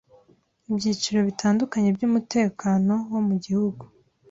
ibyiciro bitandukanye by'umutekano wo mugihugu